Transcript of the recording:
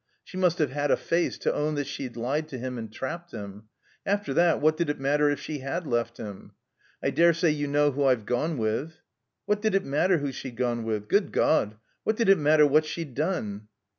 She must have had a face, to own that she'd lied to him and trapped him! After that, what did it matter if she had left him? "I dare say you know who I've gone with." What did it matter who she'd gone with? Good God! What did it matter what she'd done?